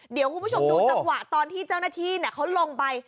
เดี๋ยวคุณผู้ชมดูจังหวะตอนที่เจ้าหน้าที่เขาลงไป